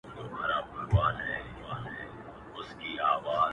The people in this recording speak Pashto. ه ستا د غزل سور له تورو غرو را اوړي.